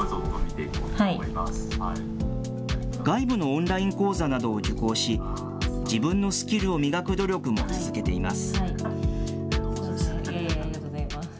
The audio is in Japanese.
外部のオンライン講座などを受講し、自分のスキルを磨く努力も続けています。